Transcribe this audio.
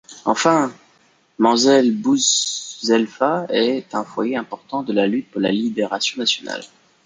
Enfin, Menzel Bouzelfa est un foyer important de la lutte pour la libération nationale.